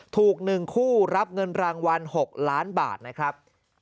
ถูก๑คู่รับเงินรางวัล๖ล้านบาทนะครับ